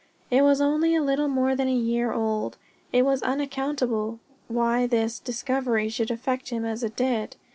It was only a little more than a year old. It was unaccountable why this discovery should affect him as it did.